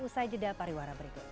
usai jeda pariwara berikutnya